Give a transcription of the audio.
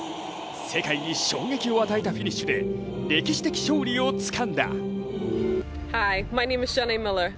世界に衝撃を与えたフィニッシュで歴史的勝利をつかんだ。